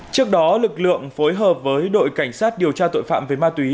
trước đó lực lượng phối hợp với đội cảnh sát điều tra tội phạm về ma túy